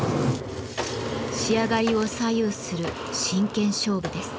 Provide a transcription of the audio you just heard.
仕上がりを左右する真剣勝負です。